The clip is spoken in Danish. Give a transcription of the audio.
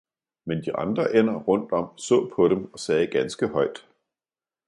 men de andre ænder rundt om så på dem og sagde ganske højt.